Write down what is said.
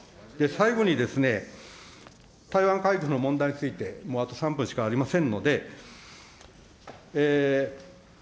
最後にですね、台湾の問題について、もうあと３分しかありませんので。